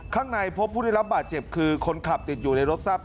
ข้างในพบผู้ได้รับบาดเจ็บคือคนขับติดอยู่ในรถทราบ